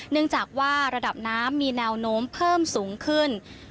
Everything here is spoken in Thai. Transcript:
เนื่องจากว่าระดับน้ำมีแนวโน้มเพิ่มสูงขึ้น